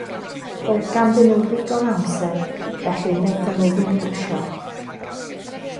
Roedd ganddyn nhw ddigon o amser, felly wnaethon nhw ddim brysio.